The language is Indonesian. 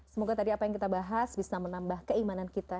semoga tadi apa yang kita bahas bisa menambah keimanan kita